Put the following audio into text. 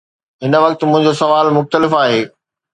هن وقت، منهنجو سوال مختلف آهي.